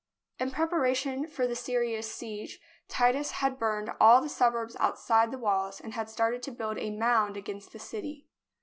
In prepara tion for the serious siege Titus had burned all the suburbs outside the walls and had started to build a mound against the city.